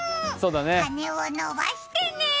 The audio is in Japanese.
羽を伸ばしてね。